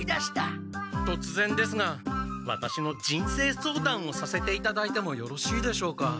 とつぜんですがワタシの人生相談をさせていただいてもよろしいでしょうか。